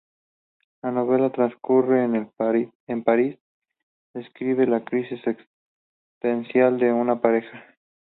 La novela transcurre en París y describe la crisis existencial de una pareja.